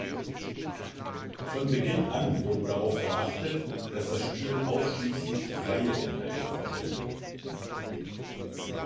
Von Beginn an wurde darauf geachtet, dass das Spiel ausschließlich freie Inhalte verwendet.